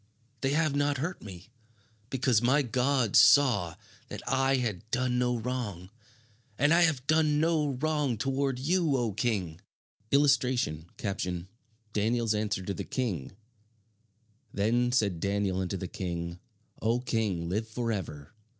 They have not hurt me, because my God saw that I had done no wrong. And I have done no wrong toward you, O king!" [Illustration: DANIEL'S ANSWER TO THE KING "Then said Daniel unto the King, O King, live forever.